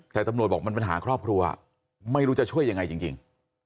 แต่ตำรวจบอกมันปัญหาครอบครัวไม่รู้จะช่วยยังไงจริง